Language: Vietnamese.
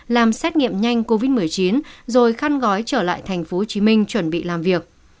làm xét nghiệm nhanh covid một mươi chín rồi khăn gói trở lại tp hcm chuẩn bị làm việc